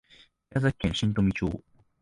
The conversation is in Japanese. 宮崎県新富町